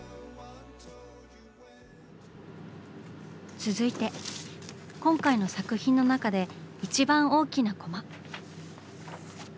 続いて今回の作品の中で一番大きなコマ。